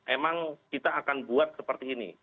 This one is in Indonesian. emang kita akan buat seperti ini